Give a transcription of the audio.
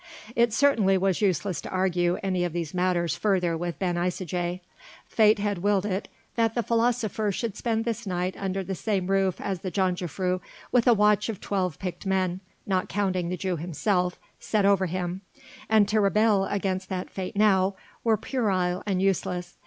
It certainly was useless to argue any of these matters further with Ben Isaje; fate had willed it that the philosopher should spend this night under the same roof as the jongejuffrouw with a watch of twelve picked men not counting the Jew himself set over him, and to rebel against that fate now were puerile and useless.